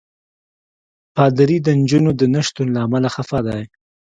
پادري د نجونو د نه شتون له امله خفه دی.